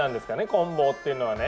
こん棒っていうのはね。